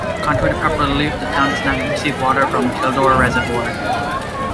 Contrary to popular belief the town does not receive water from Kielder Reservoir.